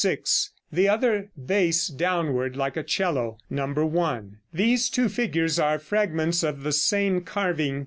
6), the other bass downward, like a 'cello (No. 1). These two figures are fragments of the same carving.